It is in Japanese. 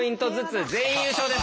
全員優勝です！